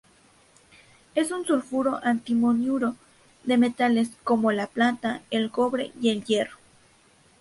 Es un sulfuro-antimoniuro de metales como la plata, el cobre y el hierro.